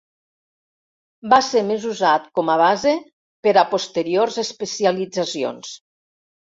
Va ser més usat com a base per a posteriors especialitzacions.